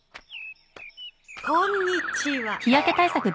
こんにちは。